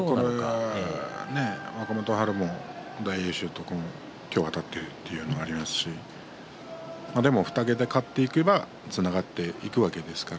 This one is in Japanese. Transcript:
若元春も大栄翔と今日あたってというのもありますしでも２桁勝っていけばつながっていくわけですから。